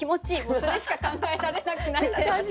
もうそれしか考えられなくなったので。